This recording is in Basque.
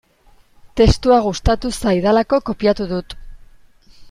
Testua gustatu zaidalako kopiatu dut.